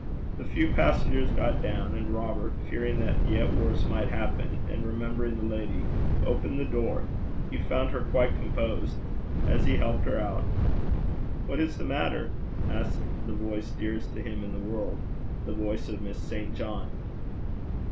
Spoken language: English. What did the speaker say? The few passengers got down; and Robert, fearing that yet worse might happen and remembering the lady, opened the door. He found her quite composed. As he helped her out, 'What is the matter?' asked the voice dearest to him in the world the voice of Miss St. John.